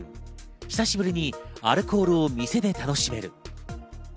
久しぶりにアルコールを店で楽しめる。